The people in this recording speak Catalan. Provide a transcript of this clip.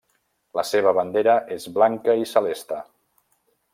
La seva bandera és blanca i celeste.